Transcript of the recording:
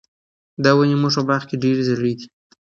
دا ونې زموږ په باغ کې ډېرې زړې دي.